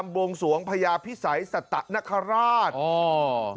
รำบงสวงพญาพิษัยสตครราช